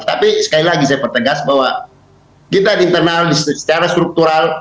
tapi sekali lagi saya pertegas bahwa kita di internal secara struktural